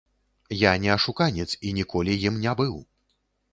Я не ашуканец і ніколі ім не быў.